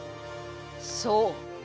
そう。